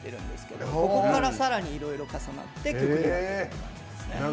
ここからさらにいろいろ重なって曲に。